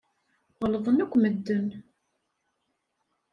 Ɣellḍen akk medden.